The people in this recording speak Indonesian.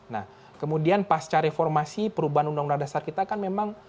nah kemudian pasca reformasi perubahan undang undang dasar kita kan memang